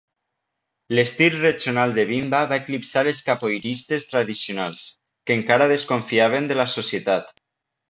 L'estil regional de Bimba va eclipsar els capoeiristes tradicionals, que encara desconfiaven de la societat.